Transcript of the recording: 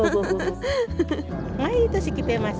毎年来てます。